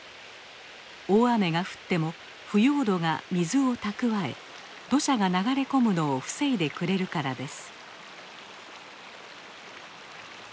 大雨が降っても腐葉土が水をたくわえ土砂が流れ込むのを防いでくれるからです。